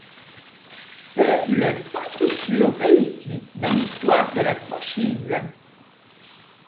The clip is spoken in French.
C'est le sans coup sûr réussi dans l'histoire de la franchise.